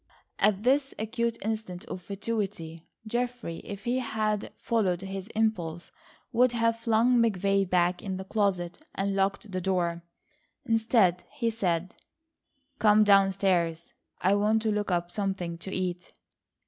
At this acute instance of fatuity Geoffrey, if he had followed his impulse, would have flung McVay back in the closet and locked the door. Instead, he said: "Come down stairs. I want to look up something to eat."